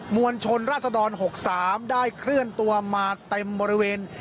วลชนราศดร๖๓ได้เคลื่อนตัวมาเต็มบริเวณ